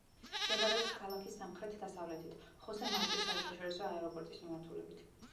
მდებარეობს ქალაქის სამხრეთ-დასავლეთით, ხოსე მარტის საერთაშორისო აეროპორტის მიმართულებით.